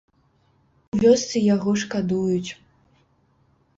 У вёсцы яго шкадуюць.